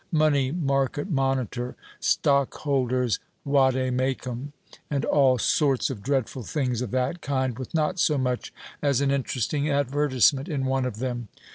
Money Market Monitor, Stockholder's Vade Mecum, and all sorts of dreadful things of that kind, with not so much as an interesting advertisement in one of them.